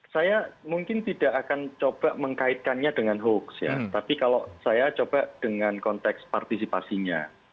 saya mungkin tidak akan coba mengkaitkannya dengan hoax ya tapi kalau saya coba dengan konteks partisipasinya